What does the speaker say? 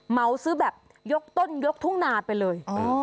เมาซื้อแบบยกต้นยกทุ่งนาไปเลย